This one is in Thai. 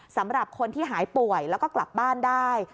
สำหรับคนที่หายป่วยแล้วก็กลับบ้านได้